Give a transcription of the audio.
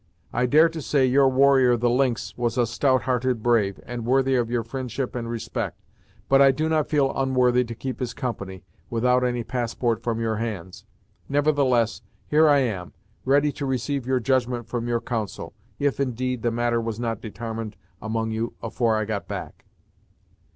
I dare to say your warrior the Lynx was a stout hearted brave, and worthy of your fri'ndship and respect, but I do not feel unworthy to keep his company, without any passport from your hands. Nevertheless, here I am, ready to receive judgment from your council, if, indeed, the matter was not detarmined among you afore I got back."